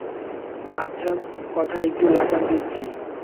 আচ্ছা কথায় একটু লাগাম দিচ্ছি।